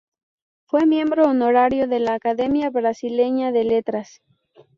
Fue miembro honorario de la Academia Brasileña de Letras.